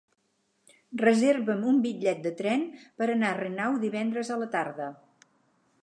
Reserva'm un bitllet de tren per anar a Renau divendres a la tarda.